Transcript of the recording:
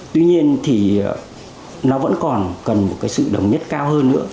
tuy nhiên thì nó vẫn còn cần một cái sự đồng nhất cao hơn nữa